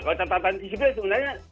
kalau catatan sipil sebenarnya